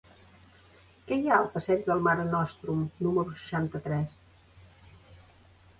Què hi ha al passeig del Mare Nostrum número seixanta-tres?